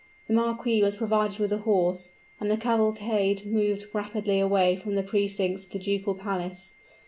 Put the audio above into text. The marquis was provided with a horse; and the cavalcade moved rapidly away from the precincts of the ducal palace.